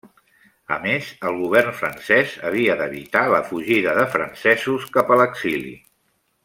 A més, el govern francès havia d'evitar la fugida de francesos cap a l'exili.